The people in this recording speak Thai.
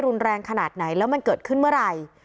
รุนแรงขนาดไหนแล้วมันเกิดขึ้นเมื่อไหร่